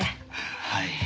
はい。